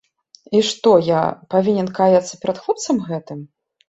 І што я, павінен каяцца перад хлопцам гэтым?